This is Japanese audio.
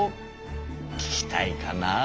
聞きたいかな？